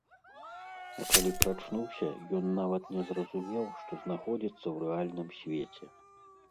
А калі прачнуўся, ён нават не зразумеў, што знаходзіцца ў рэальным свеце.